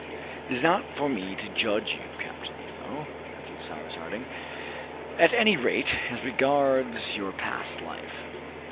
"It is not for me to judge you, Captain Nemo," answered Cyrus Harding, "at any rate as regards your past life.